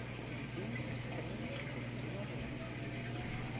Tsjin wyn en stream is 't min roeien.